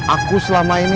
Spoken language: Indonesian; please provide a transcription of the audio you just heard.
aku selama ini kangen